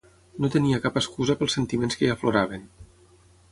No tenia cap excusa pels sentiments que hi afloraven.